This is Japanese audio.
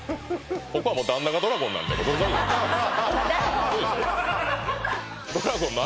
ここはもう旦那がドラゴンなんでホンマ